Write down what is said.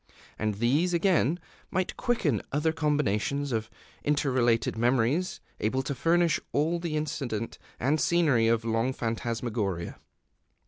And these, again, might quicken other combinations of interrelated memories able to furnish all the incident and scenery of the long phantasmagoria.